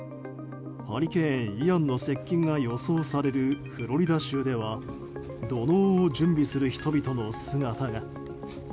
ハリケーン、イアンの接近が予想されるフロリダ州では土のうを準備する人々の姿が。